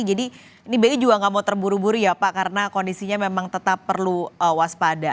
jadi bi juga tidak mau terburu buru ya pak karena kondisinya memang tetap perlu waspada